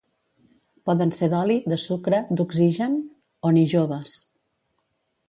Poden ser d'oli, de sucre, d'oxigen o ni joves.